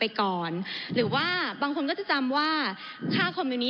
ไปก่อนหรือว่าบางคนก็จะจำว่าถ้าคุณแฮบ